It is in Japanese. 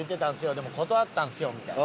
「でも断ったんですよ」みたいな。